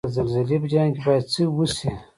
د زلزلې په جریان کې باید څه وشي؟